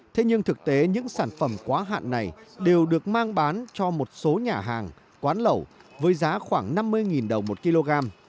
thế nhưng thực tế những sản phẩm quá hạn này đều được mang bán cho một số nhà hàng quán lẩu với giá khoảng năm mươi đồng một kg